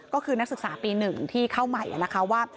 ก็คือนักศึกษาปี๑ที่เข้าใหม่นะคะว่า